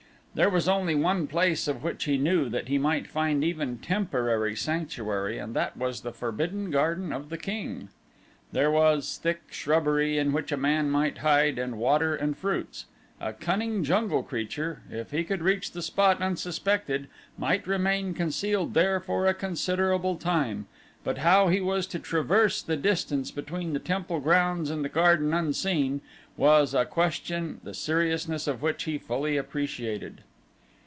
There was only one place of which he knew that he might find even temporary sanctuary and that was the Forbidden Garden of the king. There was thick shrubbery in which a man might hide, and water and fruits. A cunning jungle creature, if he could reach the spot unsuspected, might remain concealed there for a considerable time, but how he was to traverse the distance between the temple grounds and the garden unseen was a question the seriousness of which he fully appreciated.